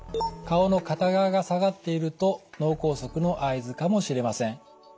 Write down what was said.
顔の片側が下がっていると脳梗塞の合図かもしれません。